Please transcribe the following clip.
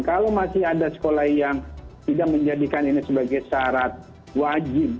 kalau masih ada sekolah yang tidak menjadikan ini sebagai syarat wajib